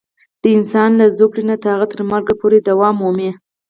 د انسان له زوکړې نه د هغه تر مرګه پورې دوام مومي.